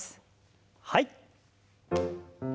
はい。